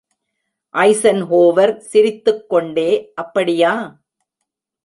Eisenhower சிரித்துக் கொண்டே, அப்படியா!